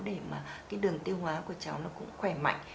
để mà cái đường tiêu hóa của cháu nó cũng khỏe mạnh